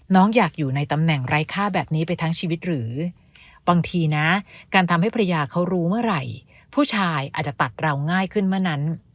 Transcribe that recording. อยากอยู่ในตำแหน่งไร้ค่าแบบนี้ไปทั้งชีวิตหรือบางทีนะการทำให้ภรรยาเขารู้เมื่อไหร่ผู้ชายอาจจะตัดเราง่ายขึ้นเมื่อนั้น